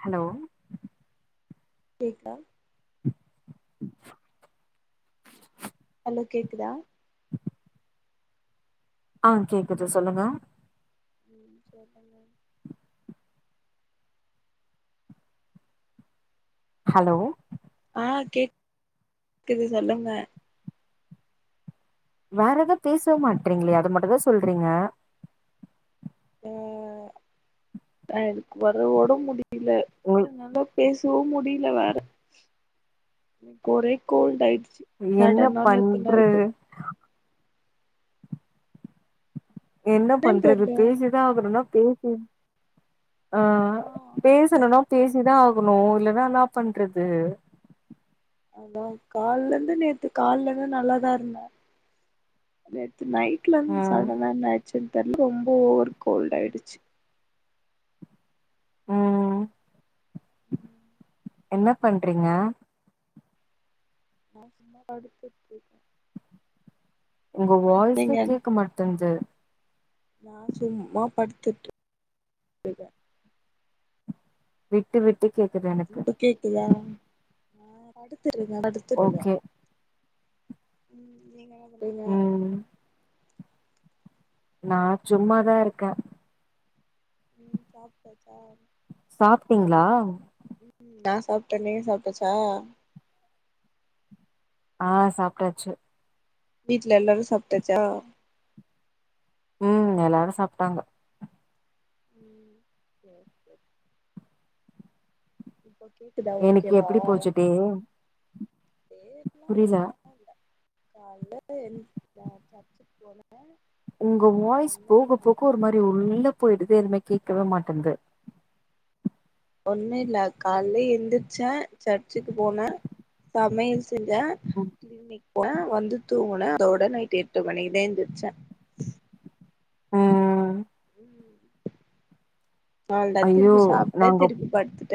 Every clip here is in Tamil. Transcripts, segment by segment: ஹலோ கேக்தா ஹலோ கேக்குதா ஆ கேக்குது சொல்லுங்க ம் சொல்லுங்க ஹலோ ஆ கேக் [inaudible] குது சொல்லுங்க வேற எதும் பேஸ்வே மாட்டறீங்ளே அத மட்டு தா சொல்றீங்க ஆ எனக்கு வேற ஒடம் முடியில உங்களுக் என்னால பேசவு முடியில வேற எனக்கு ஒரே கோல்ட் ஆயிடுச்சு என்ன சடனா நேத்து பண்ற நைட்டு என்ன என்னன்னு பண்றது தெர்ல பேசிதா ஆகுனோனா பேசு ஆ பேசணுனா பேசிதா ஆகணு இல்லன்னா இன்னா பண்றது அதா கால்லந்து நேத்து கால்ல த நல்லாதா இருந்த நேத்து நைட்ல இருந்து ம் சடனா என்ன ஆச்சுன் தெர்ல ரொம்ப ஒரு கோல்ட் ஆயிடுச்சு ம் ம் என்ன பண்றீங்க நா சும்மா படுத்துட்ருக்க உங்க வாய்ஸே நீங்க கேக்க மாட்டங்து நா சும்மா படுத்துட்டு விட்டு விட்டு கேக்குது என இப்ப கேக்குதா ஆ படுத்திருங்க படுத்துருக்க ஓகே ம் நீங்க என்னா பண்றீங்க ம் நா சும்மதா இருக்க ம் சாப்ட்டாச்சா சாப்ட்டீங்ளா நா சாப்ட்டே நீங்க சாப்ட்டாச்சா ஆ சாப்ட்டாச்சு வீட்டுல எல்லாரு சாப்ட்டாச்சா ம் எல்லாரு சாப்ட்டாங்க ம் சேரி சேரி இப்ப கேக்குதா இன்னைக்கு ஓகேவா எப்டி போச்சு சேரி புரியில கால்ல எந்சு நா சச்சுக்கு போன உங்க வாய்ஸ் போக போக சம ஒரு மாரி உள்ள போயிடுது எதுமே கேக்கவே மாட்டன்து ஒண்ணு இல்ல கால்ல எந்திரச்சே சர்ச்சுக்கு போன சமையல் செஞ்ச கிளினிக் போன வந்து தூங்க அதோட நைட் எட்டு மணிக்குத எந்திருச்சே அ அ அவுள்தா ஐயோ திருப்பி சாப்ட்ட நாங்க திருப்பி படுத்துட்ட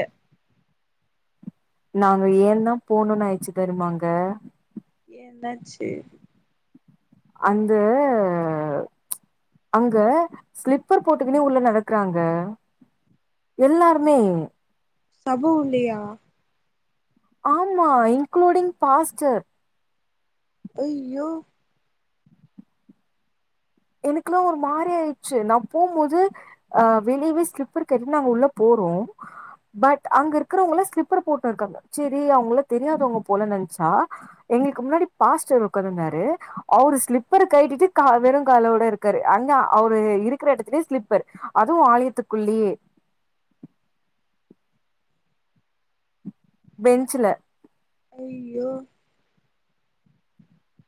நாங்க ஏ தா போகணுன்னு அயிச்சு தெரியுமாங்க ஏ என்னாச்சு அந்த அங்க ஸ்லிப்பர் போட்டுக்குனு உள்ள நடக்கறாங்க எல்லாருமே சப உள்ளயா ஆமா இன்குளூடிங் பாஸ்டர் ஐய்யோ எனக்குல்லா ஒரு மாரி ஆயிடுச்சு நா போம்போது அ வெளியவே ஸ்லிப்பர் கலட்டிட்டு நாங்க உள்ள போறோ பட் அங்க இருக்கறவங்கள்ளா ஸ்லிப்பர் போட்டு இருக்காங்க சேரி அவங்கள்ளா தெரியாதவங்க போல நென்ச்சா எங்களுக்கு முன்னாடி பாஸ்டர் ஒக்காந்துருந்தாரு அவரு ஸ்லிப்பர கழட்டிட்டு கா வெறு காலோட இருக்காரு அங்க அவரு இருக்கிற இடத்துலயே ஸ்லிப்பர் அதுவு ஆலயத்துக்குள்ளயே பெஞ்ச்சுல ஐய்யோ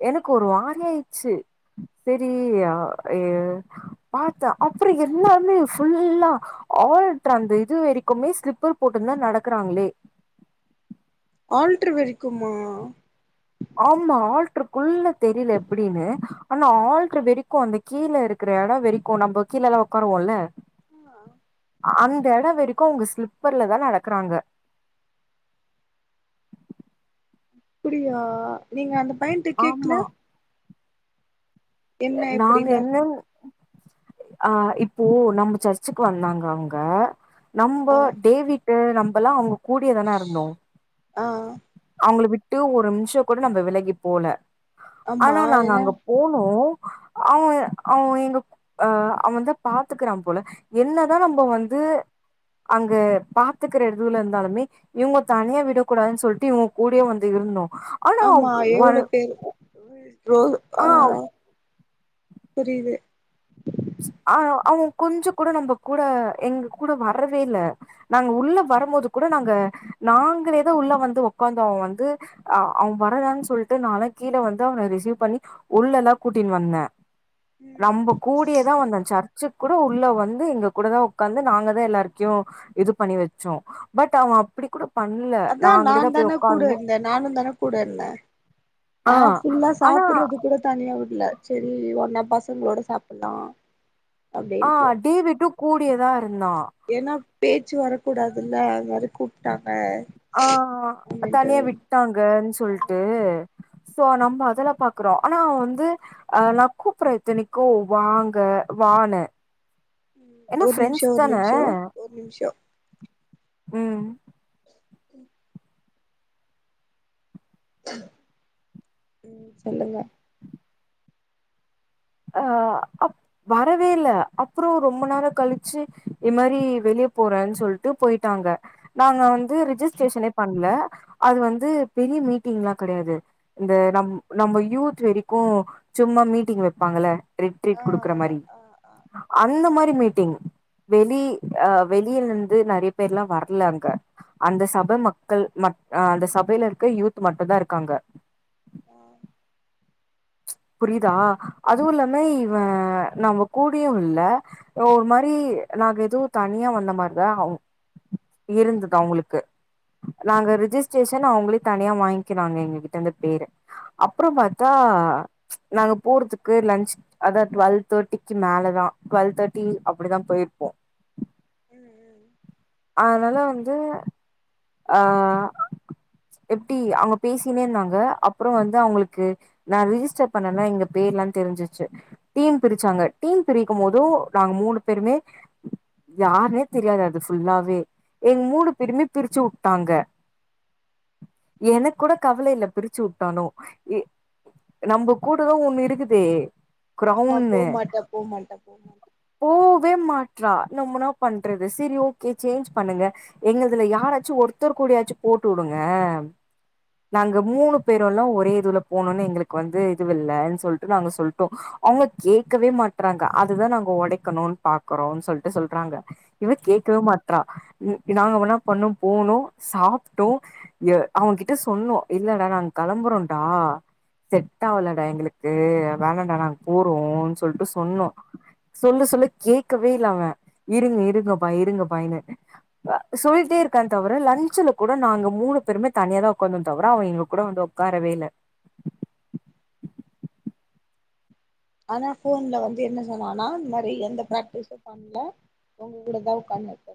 எனக்கு ஒரு மாரியாச்சு சேரி அ இ பாத்தா அப்புறோ எல்லாருமே ஃபுல்லா ஆள்ட்ரு அந்த இது வரைக்குமே ஸ்லிப்பர் போட்டு தா நடக்கிறாங்களே ஆல்டரு வரைக்குமா ஆமா ஆல்ட்ருக்குள்ள தெரில எப்டின்னு ஆனா ஆள்ட்ர் வெரிக்கு அந்த கீழே இருக் குற எடொ வரைக்கும் நம்ம கீழ எல்லா ஒக்காருவோல்ல ஆ அந்த எடோ வரைக்கு அவ்ங்க ஸ்லிப்பர்ல தா நடக்றாங்க அப்டியா நீங்க அந்த பையன்ட கேக்கல ஆமா என்ன இப்டில்லா அ இப்போ நம்ம சர்ச்சுக்கு வந்தாங்க அவ்ங்க நம்போ ஆ டேவிட்டு நம்மல்லா அவங்க கூடியேதானே இருந்தோ ஆ அவங்கள விட்டு ஒரு நிமிஷ கூட நம்ம விலகி போல ஆமா ஆனா நாங்க ஏனா அங்க போனோ அவ்ங்க அவ்ங்க எங்க அ அவெதா பாத்துக்கிறா போல என்னதா நம்ப வந்து அங்க பாத்துக்குற இதுவுல இருந்தாலுமே இவங்க தனியா விடக்கூடாதுன் சொல் சுத்தி உங் கூடவே வந்து இருந்தோ ஆனா ஆமா ஒரு எவ்ளோ பேரு வி ஓ அ ஆ புரியுது ஆ அவங் கொஞ்சொ கூட நம்ம கூட எங்க கூட வரவே இல்ல நாங்க உள்ள வரும்போது கூட நாங்க நாங்களேதா உள்ள வந்து உக்காந்தோ வந்து அ அவெ வரதான்னு சொல்லிட்டு நாலா கீழ வந்து அவன ரிசீவ் பண்ணி உள்ளல்லா கூட்டின்னு வந்தே ம் நம்ப கூப்ட் தா வந்தன் சர்ச்சுக்கு கூட உள்ள வந்து எங்க கூட தா ஒக்காந்து நாங்க தா எல்லாருக்கியு இது பண்ணி வெச்சோம் பட் அவ அப்டி கூட பண்ணல அதா நா நாங்களே தா போய் தான கூட உக்காந்தோ இருந்தே நானு தான கூட இருந்த ஆ நா ஃபுல்லா ஆனா சாப்புறது கூட தனியா வுட்ல செரி ஒன்னா பசங்களோட சாப்புல்லா ஆ டேவிட்டு கூடியேதா இருந்தா ஏன்னா பேச்சு வரக் கூடாதுல்ல அது மாரி கூப் ட்டாங்க அப்டின்ட்டு டாங்கன் ஆ சொல்ட்டு ஆ சோ நம்ம அதெல்லா பாக்குறோ ஆனா அவ்ங் வந்து அ நா கூப்புற இத்தனிக்கும் வாங்க வானு ம் என்னா ஒரு ஃப்ரெண்ட்ஸ் நிமிஷோ ஒரு தானே நிமிஷோ ஒரு நிமிஷோ ம் ம் ம் சொல்லுங்க ஆ அப் வரவே இல்ல அப்றோ ரொம்ப நேரோ கழிச்சு இ மாரி வெளிய போறேன் சொல்ட்டு போயிட்டாங்க நாங்க வந்து ரிஜிஸ்ட்ரேஷனே பண்ல அது வந்து பெரிய மீட்டிங்லா கெடையாது இந்த நம் நம்ம யூத் வரைக்கூ சும்மா மீட்டிங் வெ பாங்கள ரிட் ஆ ட்ரீட் குடுக்கற ஆ மாரி ஆ ஆ அந்த மாரி மீட்டிங் வெளி அ வெளியில இருந்து நெறய பேர்ல்லா வரல அங்க அந்த சப மக்கள் மக் அ அந்த சபையில இருக்க யூத் மட்டு தா இருக்காங்க ஆ புரியுதா அதுவும் இல்லாம இவன் நம்ம கூடயு இல்ல ஒரு மாரி நாங்க எதுவு தனியா வந்த மாரிதா அவ் இருந்தது அவ்ங்களுக்கு நாங்க ரிஜிஸ்ட்ரேஷன் அவங்களே தனியா வாங்கினாங்க எங்கிட்ட இருந்து பேரு அப்புறோ பாத்தா நாங்க போறதுக்கு லன்ச் அதா டுவல் தேர்ட்டிக்கு மேலதா டுவல் தேர்டி அப்டிதா போயிருப்போ ம்ம் அதனால வந்து ஆ எப்டி அவங்க பேசினே இந்தாங்க அப்புற வந்து அவங்களுக்கு நா ரிஜிஸ்டர் பண்ணல எங்க பேர்லா தெரிஞ்சிச்சு டீம் பிரிச்சாங்க டீம் பிரிக்கும் போது நாங்க மூணு பேருமே யாருனே தெரியாது அது ஃபுல்லாவே எங்க மூணு பேருமே பிரிச்சு வுட்டாங்க எனக்கு கூட கவலயில்ல பிரிச்சு வுட்டாலு எ நம்ப கூடதா ஒண்ணு இருக்குதே ஆமா க்ரௌன்னு போமாட்ட போமாட்ட [inaudible] போவே மாட்றா நம்ம னா பண்றது செரி ஓ கே சேஞ்ச் பண்ணுங்க எங்கள்துல யாராச்சு ஒருத்தர் கூடயாச்சு போட்டு வுடுங்க நாங்க மூணு பேருல்லா ஒரே இதுல போணுன்னு எங்களுக்கு வந்து இதுவில்லன் சொல்ட்டு நாங்க சொல்ட்டோம் அவங்க கேக்கவே மாட்றாங்க அதுதா நாங்க ஒடைக்கணுன் பாக்கறோன்னு சொல்ட்டு சொல்றாங்க இவ கேட்கவே மாட்றா ம் நாங்க வென்ன பண்ணோ போனோ சாப்ட்டோ எ அவன்கிட்ட சொன்னோ இல்லடா நாங்க களம்புறோன்டா செட் ஆவலடா எங்களுக்கு வேணாண்டா நாங்க போறோன் சொல்ட்டு சொன்னோ சொல்ல சொல்ல கேட்கவே இல்ல அவே இருங்க இருங்க பாய் இருங்க பாய்னு சொல்ட்டே இருக்கா தவர லஞ்சுல கூட நாங்க மூணு பேருமே தனியா தா ஒக்காந்தோ தவர அவ எங்க கூட வந்து ஒக் காரவே இல்ல ஆனா ஃபோன்ல வந்து என்ன சொன்னனா இந்த மாரி எந்த ப்ராட்க்டிஸு பண்ல உங்ககூட தா உக்காந்துனுருப்பே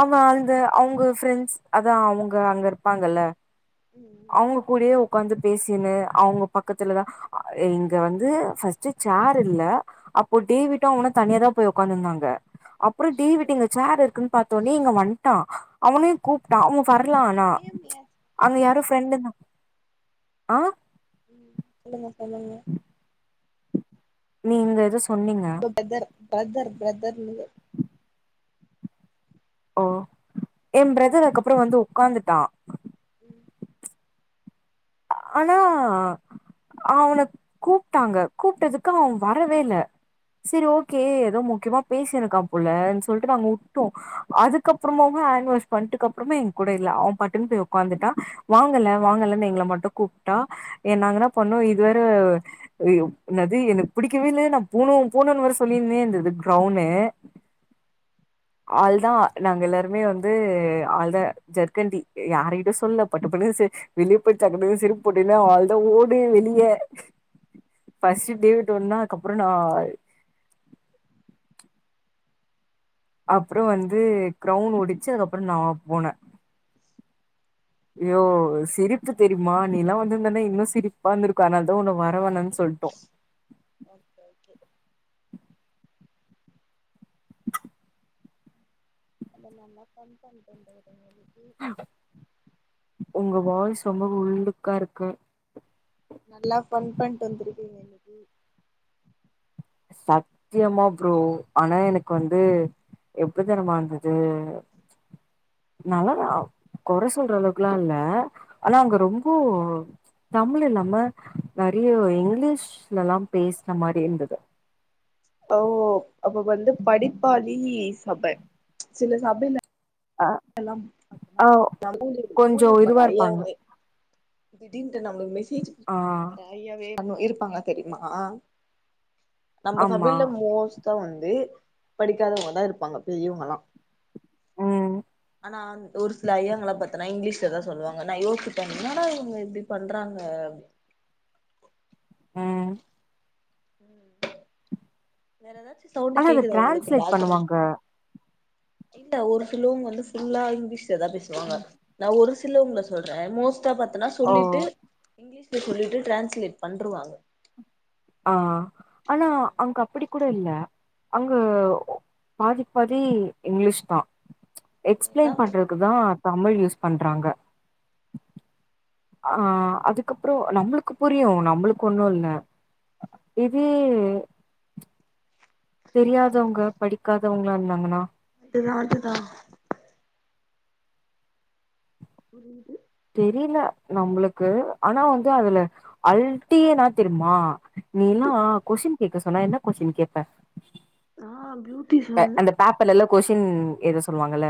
அவ அந்த அவுங்க ஃப்ரெண்ட்ஸ் அதா அவுங்க அங்க இருப்பாங்கல்ல ம் ம் அவுங்க கூடயே ஒக் காந்து பேசின்னு அவுங்க பக்கத்துலதா இங்க வந்து ஃபர்ஸ்ட்டு சேர் இல்ல அப்போ டேவிட்டு அவ்னு தனியாதா போய் உக்காந்துருந்தாங்க அப்றோ சோ டேவிட்டு இங்க சேர் இருக்குன்னு பாத்தோனே இங்க வந்ட்டான் அவுனையு கூப்ட்டா அவ வர்லா ஆனா நேம் ஏ அங்க யாரோ ஃப்ரெண்டு தா ஆ ம் சொல்லுங்க சொல்லுங்க நீங்க எதோ சொன்னீங்க உங்க பெதர் பிரதர் பிரதர்ன்னு எ ம் பிரதர் அதுக்கப்புற வந்து உக்காந்துட்டா ம் ஆனா அவ கூப்ட்டாங்க கூப்ட்டதுக்கு அவ வரவே இல்ல செரி ஓகே ஏதோ முக்கியமா பேசினுக்கா போலன்னு சொல்ட்டு நாங்க வுட்டோ அதுக்கப்புறமா ஹான்ட்வாஷ் பண்ட்டுகப்புறமே எங்ககூட இல்ல அவ பட்டுன்னு போய் உக்காந்துட்டா வாங்கல வாங்கலன்னு எங்கள மட்டு கூப்ட்டா நாங்க என்னா பண்ணோ இது வேர ஐய்யயோ என்னது எனக்கு புடிக்கவே இல்ல நா போனு போனுன்னு வேர சொல்லினேருந்தது கிரௌன்னு ஆள்தா நாங்க எல்லாருமே வந்து ஆள்தா ஜர்க்கண்டி யார்கிட்ட சொல்லல பட்டு பட்டுண்ணு செ வெளிய போய் டக்குனு ஸ் செருப்போட்டினா அவ்ளோ தா ஓடு வெளியே ஃபர்ஸ்ட் ம் டேவிட் ஓட்ன கப்றோ நா அப்பறோ வந்து கிரௌனு ஒடிச்சு அதுக்கப்பறோ நா போன யோ ம் சிரிப் பு தெரியுமா நீல்லா வந்துருந்தன்னா இன்னு சிரிப்பா இந்துருக்கு அதுனால்தா ஒன்ன வர வேனான் சொல்ட்டோ ஓகே ஓகே அங்க நல்லா ஃபண் பண்ட்டு வந்துருக்கீங்க இன்னக்கி ஒங்க வாய்ஸ்ஸு ரொம்ப உள்ளுக்காருக்கு நல்லா ஃபண் பண்ட்டு வந்துருக்கீங்க சத்தியமா ப்ரோ ஆனா எனக்கு வந்து எப்ப தெரிமா வந்தது நல்லதா கொற சொல்ற அளவுக்லால்ல ஆனா அங்க ரொம்போ தமிழ் இல்லாம நெறைய இங்கிலீஷ்லல்லா பேசுன மாரிருந்தது ஓ அப்ப வந்து படிப்பாளி சப சில சபைல அ ஆ [inaudible] கொஞ்சோ ஊழியம் பன்ற இதுவா இருப்பாங்க ஐயாங்களே திடீர்ன்ட்டு நம்முளுக்கு மெசேஜ் ஆ பண்ண வரா ஐயாவே இருப்பாங்க தெரியுமா நம்ப ஆமா சபைல மோஸ்ட்டா வந்து படிக்காதவங்கதா இருப்பாங்க பெரியவங்கலா ம் நா ஒரு சில ஐயாங்கள பாத்தேனா இங்க்லீஷ்லதா சொல்லுவாங்க நா யோசிப்பே என்னடா இவுங்க இப்பிடி பண்றாங்க ம் ம் வேற எதாச்சூ ஆனா சவுண்டு அது கேக்குதா உங்குளுக் டிரான்ஸ்லேட் பாத்ரூம் பண்ணுவாங்க இல்ல ஒரு சிலவுங்க வந்து ஃபுல்லா இங்க்லீஷ்ல தா பேசுவாங்க நா ஒரு சிலவுங்கள சொல்றே மோஸ்ட் ட்டா பாத்தனா ஓ சொல்லிட்டு இங்கிலீஷ்ல சொல்லிட்டு டிரான்ஸ்லேட் பண்ருவாங்க அ ஆனா அங்க் அப்பிடிக் கூட இல்ல அங்க பாதிக் பாதி இங்கிலீஷ்த்தா எல்லா எக்ஸ்ப்ளெய்ன் பண்றத்துக்குதா தமிழ் யூஸ் பண்றாங்க அ அதுக்கப்புறோ நம்புளுக்கு புரியூ நம்புளுக்கு ஒண்ணூல்ல இது தெரியாதவங்க படிக்காதவங்ளார்ந்தாங்னா அதுதா அதுதா புரியுது தெரில நம்புளுக்கு ஆனா வந்து அதுல அல்ட்டியேன்னா தெர்மா நீலான் கொஸின் கேக்க சொன்னா என்னா கொஸின் கேட்ப நா புளூத் இப்ப அந்த பேப்பர்ல்லா கொஷின் எய்த சொல்லுவாங்கல்ல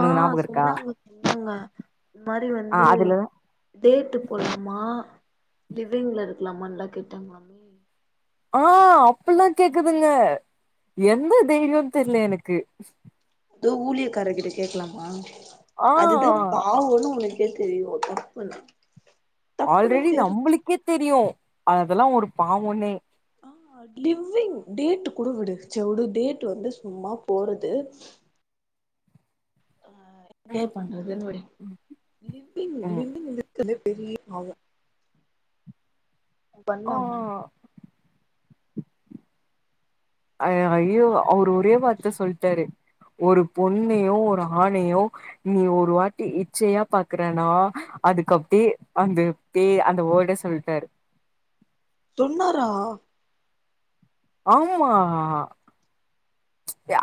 ஆ ஞாபகம் இருக்கா சொன்னாங்க சொன்னாங்க இந்த மாதிரி வந்து ஆ அதுல டேட்டு போலாமா லிவிங்ல இருக்கலாமல்லா கேட்டாங்கலாமே அ அப்புல்லா கேக்குதுங்க எந்த தைரியோ தெர்ல எனக்கு அதூ ஊழிய காரர்கிட்ட கேக்கலாம்மா ஆ அதுதா பாவன்னூ ஒனக் கோ தெரீயூ தப்புண்ணூ ஆல்ரெடி நம்புளுக்கே தெரியூ அதல்லா ஒரு பாவன்னே அ லிவ்விங் டேட்டு கூட விடு சேர் உடு டேட்டு வந்து சும்மா போறது என்ஜாய் பண்றதுன் விடு லிவ்விங் ம் லிவ்விங் இருக் கிறதே பெரியப் பாவோ அத ஆ பண்லாமா அய் ஐயோ அவர் ஒரே வார்த்த சொல்ட்டாரு ஒரு பொண்ணையோ ஒரு ஆணையோ நீ ஒரு வாட்டி இச்சையா பாக்குறேனா அதுக் அப்டே அந்த தே அந்த வோடே சொல்ட்டாரு சொன்னாரா ஆம்மா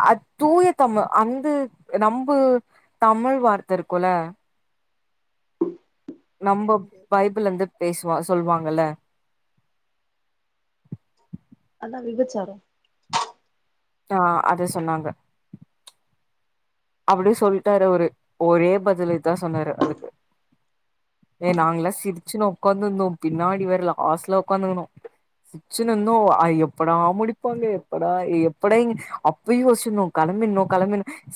அத் தூயத் தமிழ் அந்து நம்பு தமிழ் வார்த்த இருக்குல்ல நம்ப என்னது பைபிளந்து பேசுவா சொல்வாங்கல்ல அதா விபச்சாரோ தா அத சொன்னாங்க அப்படியே சொல்லிட்டாரு அவரு ஒரே பதிலு தா சொன்னாரு அதுக்கு ஏ நாங்கல்லா சிரிச்சுன்னு உட்காந்துருந்தோ பின்னாடி வேற லாஸ்ட்ல உக்காந்துக்கணோ சிரிச்சினூர்ந்தோ அ எப்படா முடிப்பாங்க எப்படா எ எப்படா இங் அப் பயே யோசின்னிருந்தோ களம்பிட்னோ களம்பிட்ன்